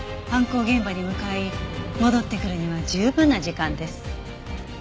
犯行現場に向かい戻ってくるには十分な時間です。